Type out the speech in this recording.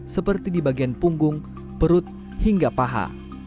seperti di bagian punggung perut hingga paha